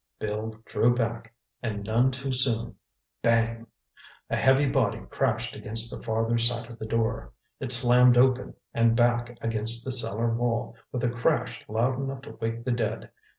Bill drew back and none too soon. Bang! A heavy body crashed against the farther side of the door. It slammed open and back against the cellar wall with a crash loud enough to wake the dead.